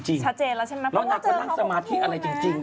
เพราะว่าเจอเขาของพี่กะละแม่แล้วนางก็นั่งสมาธิอะไรจริงถูก